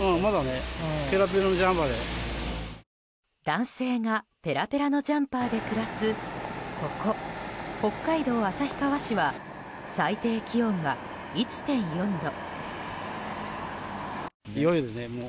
男性がペラペラのジャンパーで暮らすここ、北海道旭川市は最低気温が１．４度。